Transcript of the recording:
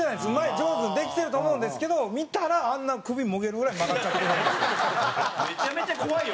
上手にできてると思うんですけど見たら、あんな首もげるぐらい曲がっちゃってるんですよ。